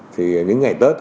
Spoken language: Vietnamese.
thì những ngày tết